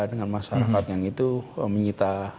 dengan masyarakat yang itu menyita